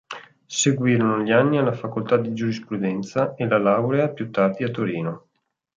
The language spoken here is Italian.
Seguirono gli anni alla Facoltà di Giurisprudenza e la laurea più tardi a Torino.